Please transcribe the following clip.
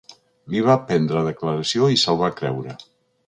Li va prendre declaració i se’l va creure.